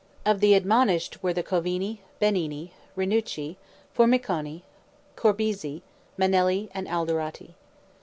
Of the admonished were the Covini, Benini, Rinucci, Formiconi, Corbizzi, Manelli, and Alderotti.